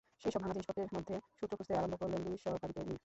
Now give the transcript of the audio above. এসব ভাঙা জিনিসপত্রের মধ্যে সূত্র খুঁজতে আরম্ভ করল দুই সহকারীকে নিয়ে।